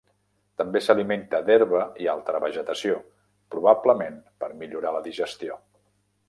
També s'alimenta d'herba i altra vegetació, probablement per millorar la digestió.